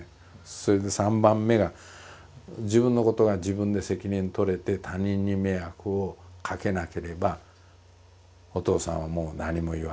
それで３番目が自分のことが自分で責任取れて他人に迷惑をかけなければお父さんはもう何も言わないと。